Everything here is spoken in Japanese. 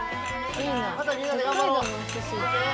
また、みんなで頑張ろう。